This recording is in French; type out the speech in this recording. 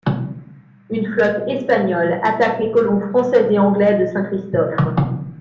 Une flotte espagnole attaque les colons français et anglais de Saint-Christophe.